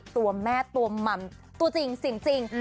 ตัวแม่ตัวมันตัวจริงเป็นจริง